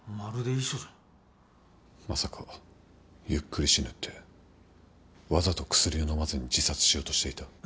まさか「ゆっくり死ぬ」ってわざと薬を飲まずに自殺しようとしていた？